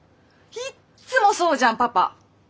いっつもそうじゃんパパ！